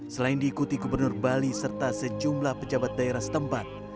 selain diikuti gubernur bali serta sejumlah pejabat daerah setempat